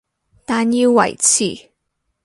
但要維持